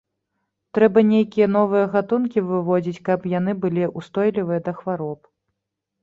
Трэба нейкія новыя гатункі выводзіць, каб яны былі ўстойлівыя да хвароб.